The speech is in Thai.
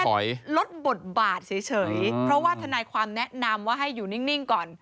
ลดบทบาทเฉยเพราะว่าทนายความแนะนำว่าให้อยู่นิ่งก่อน